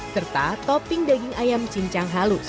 serta topping daging ayam cincang halus